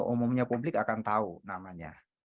umumnya publik akan tahu namanya